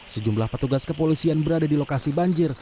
sejumlah petugas kepolisian berada di lokasi banjir